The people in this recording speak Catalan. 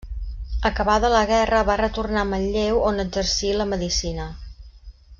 Acabada la guerra va retornar a Manlleu on exercí la medicina.